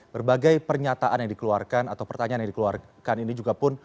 berbagai pernyataan yang dikeluarkan atau pertanyaan yang dikeluarkan ini juga pun